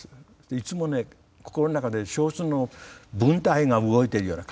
いつもね心の中で小説の文体が動いているような感じになって。